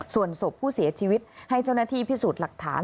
ส่วนศพผู้เสียชีวิตให้เจ้าหน้าที่พิสูจน์หลักฐาน